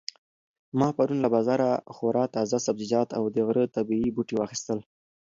ما پرون له بازاره خورا تازه سبزیجات او د غره طبیعي بوټي واخیستل.